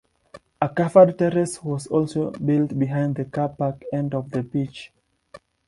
A covered terrace was also built behind the Car Park End of the pitch.